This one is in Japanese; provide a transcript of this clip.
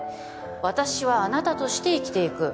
私はあなたとして生きていく